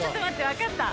分かった！